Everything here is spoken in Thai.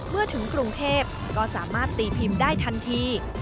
เมื่อถึงกรุงเทพก็สามารถตีพิมพ์ได้ทันที